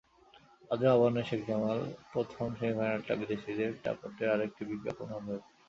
আজও আবাহনী-শেখ জামাল প্রথম সেমিফাইনালটা বিদেশিদের দাপটের আরেকটি বিজ্ঞাপন হবে হয়তো।